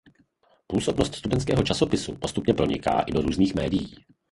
Působnost studentského časopisu postupně proniká i do různých médií.